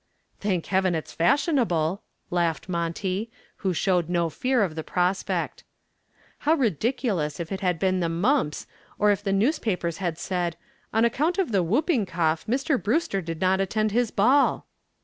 "Thank heaven it's fashionable," laughed Monty, who showed no fear of the prospect. "How ridiculous if it had been the mumps, or if the newspapers had said, 'On account of the whooping cough, Mr. Brewster did not attend his ball.'"